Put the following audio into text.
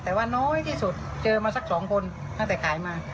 แต่ว่าน้อยที่สุดเจอมาสัก๒คนตั้งแต่ขายมา